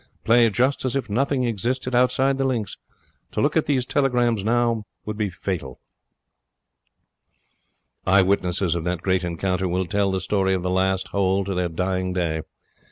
Play just as if nothing existed outside the links. To look at these telegrams now would be fatal.' Eye witnesses of that great encounter will tell the story of the last hole to their dying day.